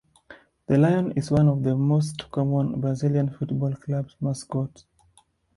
The lion is one of the most common Brazilian football club's mascots.